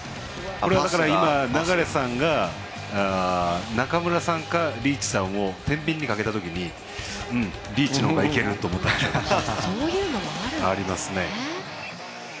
これは、流さんが中村さんかリーチさんかてんびんにかけた時にリーチの方がいけると思ったんじゃないですか。